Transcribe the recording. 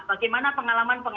bagaimana pengalaman pandemi itu